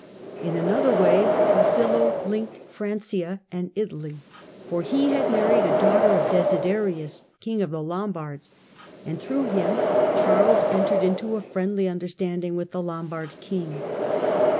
n another way Tassilo linked Francia and Italy, for he lad married a daughter of Desiderius, king of the jombards, and through him Charles entered into a riendly understanding with the Lombard king.